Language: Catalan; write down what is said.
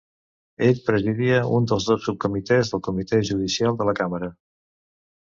Ell presidia un dels dos subcomitès del Comitè Judicial de la Càmera.